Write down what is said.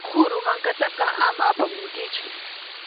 Qhuru mankataqa ama apamunkichu.